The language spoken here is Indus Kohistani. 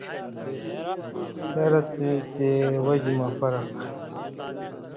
شرط یی تے وجہۡ مہ فرق